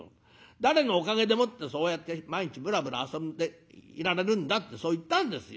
『誰のおかげでもってそうやって毎日ぶらぶら遊んでいられるんだ』ってそう言ったんですよ。